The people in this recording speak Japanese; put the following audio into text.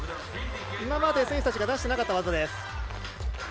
今まで選手たちが出していなかった技です。